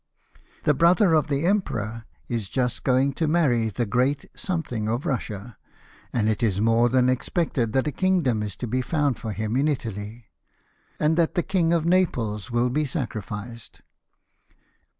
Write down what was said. The brother of the emperor is just going to marry the great Something of Eussia, and it is more than ex pected that a kingdom is to be found for him in Italy, and that the King of Naples will be sacrificed."